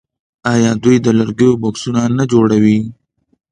آیا دوی د لرګیو بکسونه نه جوړوي؟